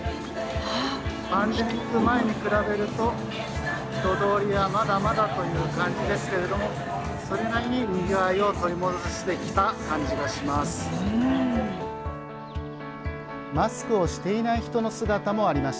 パンデミック前に比べると人通りはまだまだという感じですけれどもそれなりに、にぎわいを取り戻してきた感じがします。